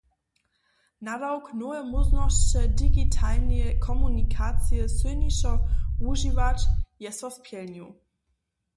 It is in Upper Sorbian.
Nadawk, nowe móžnosće digitalneje komunikacije sylnišo wužiwać, je so spjelnił.